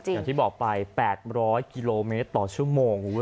อย่างที่บอกไป๘๐๐กิโลเมตรต่อชั่วโมง